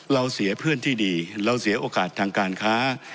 เราเสียเพื่อนที่ดีเราเสียโอกาสทางการค้า